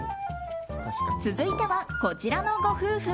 続いては、こちらのご夫婦。